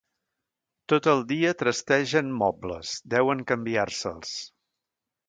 Tot el dia trastegen mobles: deuen canviar-se'ls.